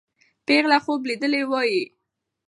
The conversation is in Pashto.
پېغله خوب لیدلی وایي.